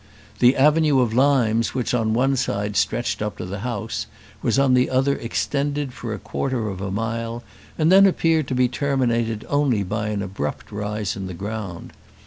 The avenue of limes which on one side stretched up to the house, was on the other extended for a quarter of a mile, and then appeared to be terminated only by an abrupt rise in the ground.